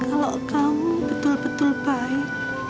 kalau kau betul betul baik